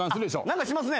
何かしますね。